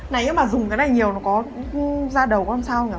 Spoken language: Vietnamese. nãy nếu mà dùng cái này nhiều nó có ra đầu có làm sao không nhở